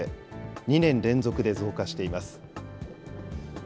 ２年連続で増加しています。